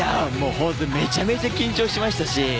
めちゃめちゃ緊張しましたし。